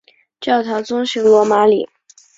教堂遵循罗马礼。